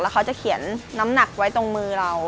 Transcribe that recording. เขาจะเขียนน้ำหนักไว้ตรงมือเรา